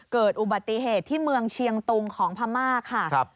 เกิดอุบัติเหตุที่เมืองเชียงตุงของพม่าค่ะ